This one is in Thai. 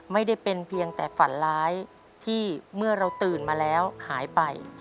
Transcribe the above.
ไม่ได้เป็นเพียงแต่ฝันร้ายที่เมื่อเราตื่นมาแล้วหายไป